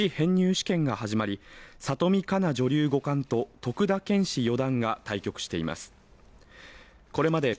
試験が始まり里見香奈女流五冠と徳田拳士四段が対局しています